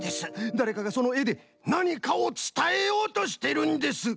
だれかがそのえでなにかをつたえようとしてるんです！